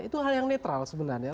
itu hal yang netral sebenarnya